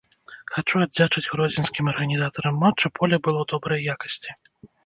Хачу аддзячыць гродзенскім арганізатарам матча, поле было добрай якасці.